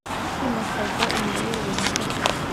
kwimakaza imiyoborere myiza